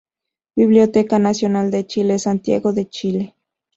Biblioteca Nacional de Chile.Santiago de Chile.